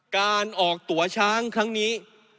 การออกตัวช้างครั้งนี้